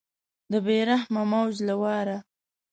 د بې رحمه موج له واره